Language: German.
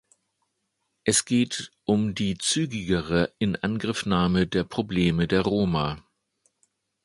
Es geht um die zügigere Inangriffnahme der Probleme der Roma.